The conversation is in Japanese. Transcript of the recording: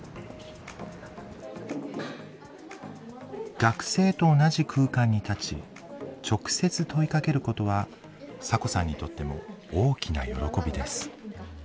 学生と同じ空間に立ち直接問いかけることはサコさんにとっても大きな喜びです。